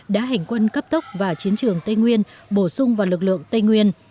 đã hành quân cấp tốc và chiến trường tây nguyên bổ sung vào lực lượng tây nguyên